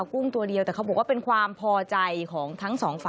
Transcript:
กุ้งตัวเดียวแต่เขาบอกว่าเป็นความพอใจของทั้งสองฝ่าย